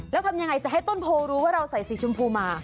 แล้วทำยังไงจะให้ต้นโพรู้ว่าเราใส่สีชมพูมา